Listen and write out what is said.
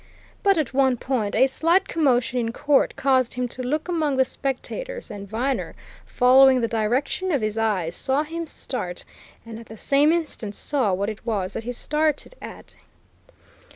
But at one point a slight commotion in court caused him to look among the spectators, and Viner, following the direction of his eyes, saw him start, and at the same instant saw what it was that he started at.